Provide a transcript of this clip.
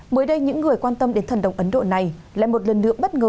mới đây những người quan tâm đến thần đồng ấn độ này lại một lần nữa bất ngờ